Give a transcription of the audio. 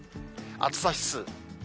暑さ指数。